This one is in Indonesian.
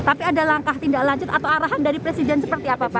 tapi ada langkah tindak lanjut atau arahan dari presiden seperti apa pak